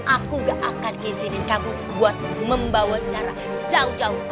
aku gak akan izinin kamu buat membawa zara jauh jauh